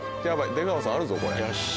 出川さんあるぞこれ。